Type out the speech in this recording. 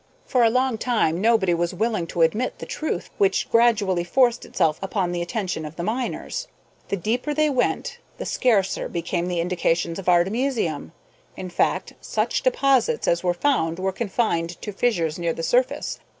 For a long time nobody was willing to admit the truth which gradually forced itself upon the attention of the miners. The deeper they went the scarcer became the indications of artemisium! In fact, such deposits as were found were confined to fissures near the surface.